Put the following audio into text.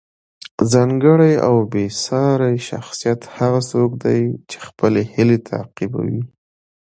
ځانګړی او بې ساری شخصیت هغه څوک دی چې خپلې هیلې تعقیبوي.